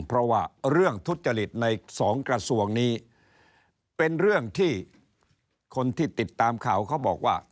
เพราะว่าเรื่องทุจริตในสองกระทรวงนี้เป็นเรื่องที่คนที่ติดตามข่าวเขาบอกว่า